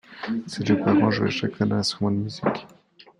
Ses deux parents jouaient chacun d'un instrument de musique.